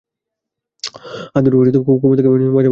হাতদুটোও কোমর থেকে মাঝামাঝি দূরে লম্বালম্বিভাবে রাখা হল।